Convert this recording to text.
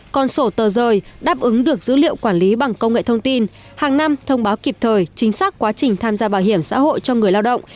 còn sổ tờ rời đáp ứng được dữ liệu quản lý bằng công nghệ thông tin hàng năm thông báo kịp thời chính xác quá trình tham gia bảo hiểm xã hội cho người lao động